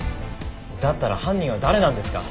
だったら犯人は誰なんですか？